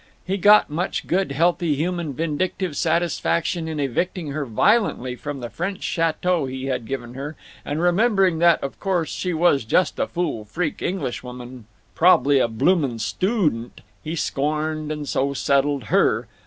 He got much good healthy human vindictive satisfaction in evicting her violently from the French chateau he had given her, and remembering that, of course, she was just a "fool freak Englishwoman—prob'ly a bloomin' stoodent" he scorned, and so settled _her!